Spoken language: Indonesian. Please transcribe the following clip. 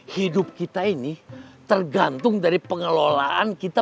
hidup kita ini tergantung dari pengelolaan kita